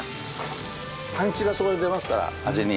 パンチがすごい出ますから味に。